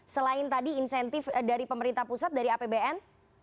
selain tadi insentif dari pemerintah pusat dari apbn